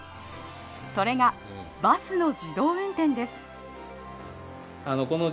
それがバスの自動運転です。